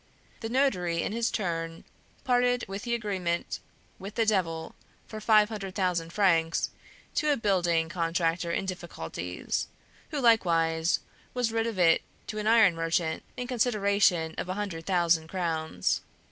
The notary in his turn parted with the agreement with the Devil for five hundred thousand francs to a building contractor in difficulties, who likewise was rid of it to an iron merchant in consideration of a hundred thousand crowns.